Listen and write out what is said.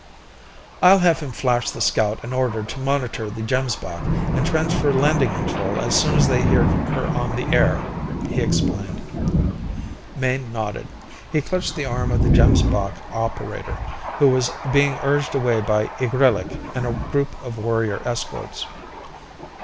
"I'll have him flash the scout an order to monitor the Gemsbok and transfer landing control as soon as they hear her on the air," he explained. Mayne nodded. He clutched the arm of the Gemsbok operator, who was being urged away by Igrillik and a group of warrior escorts.